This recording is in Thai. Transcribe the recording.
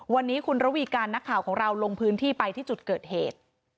วันนี้คุณระวีการนักข่าวของเราลงพื้นที่ไปที่จุดเกิดเหตุ